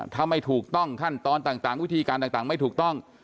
ถ้าไม่ถูกต้องขั้นตอนต่างวิธีการต่างไม่ถูกต้อง